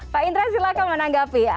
pak indra silahkan menanggapi